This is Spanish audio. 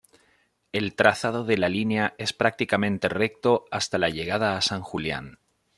El trazado de la línea es prácticamente recto hasta la llegada a San Julián.